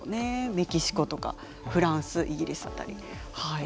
メキシコとかフランスイギリス辺りはい。